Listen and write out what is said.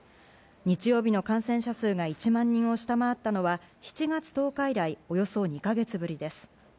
日曜日の感染者数が１万人を下回ったのは、７月１０日以来、およそ２か月ぶりです。